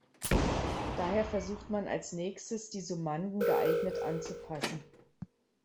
Daher versucht man als nächstes, die Summanden geeignet anzupassen.